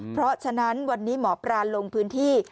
เพราะฉะนั้นวันนี้หมอปลาลงพื้นที่